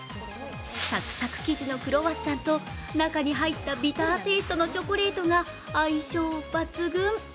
サクサク生地のクロワッサンと中に入ったビターテイストのチョコレートが相性抜群。